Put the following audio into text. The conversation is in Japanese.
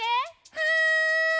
はい！